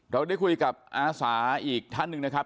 เราได้คุยกับอาสาอีกท่านหนึ่งนะครับ